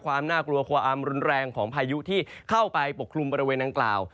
ความน่ากลัวความรุนแรงของพายุที่เข้าไปปกคลุมบริเวณดังกล่าว